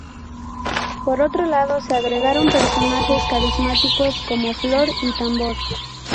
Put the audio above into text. Por otro lado se agregaron personajes carismáticos como Flor y Tambor.